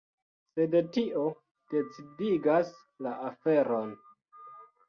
Sed tio decidigas la aferon.